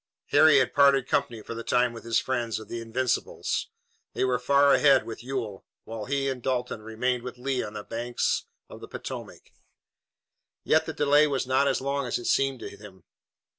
Harry had parted company for the time with his friends of the Invincibles. They were far ahead with Ewell, while he and Dalton remained with Lee on the banks of the Potomac. Yet the delay was not as long as it seemed to him.